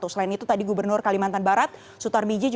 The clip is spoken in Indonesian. selain itu tadi gubernur kalimantan barat sutar miji